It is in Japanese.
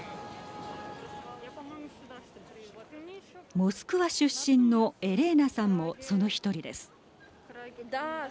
モスクワ出身のエレーナさんもその１人です。